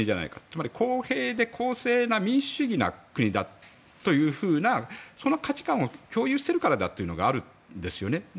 つまり公平で公正な民主主義の国だというふうなその価値観を共有しているからだというのがあるんですよね。